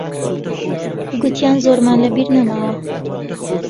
گوتیان زۆرمان لەبیر نەماوە.